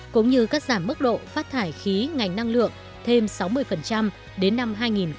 cũng như cắt giảm mức độ phát thải khí ngành năng lượng thêm sáu mươi đến năm hai nghìn ba mươi